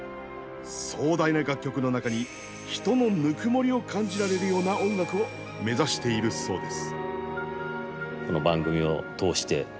壮大な楽曲の中に人のぬくもりを感じられるような音楽を目指しているそうです。